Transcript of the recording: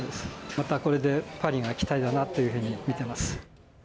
またこれでパリが期待だなというふうに見てます。